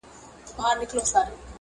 ستاسو خوږو مینوالو سره شریکوم-